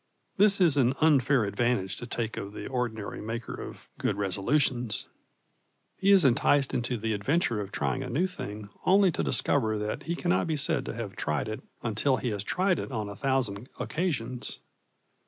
This is an unfair advantage to take of the ordinary maker of good resolutions. He is enticed into the adventure of trying a new thing only to discover that he cannot be said to have tried it until he has tried it on a thousand occasions.